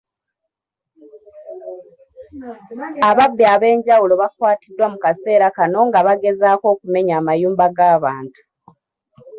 Ababbi eb'enjawulo bakwatiddwa mu kaseera kano nga bagezaako okumenya amayumba g'abantu.